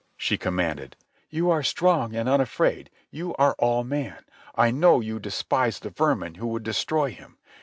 she commanded. "You are strong and unafraid. You are all man. I know you despise the vermin who would destroy Him.